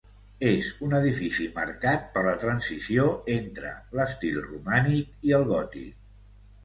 És un edifici marcat per la transició entre l'estil romànic i el gòtic.